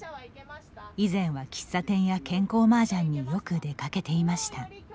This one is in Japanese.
以前は喫茶店や健康マージャンによく出かけていました。